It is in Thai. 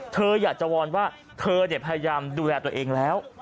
เธออยากจะวอนว่าเธอพยายามดูแลตัวเองแล้ว